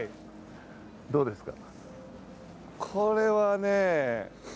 どうですか。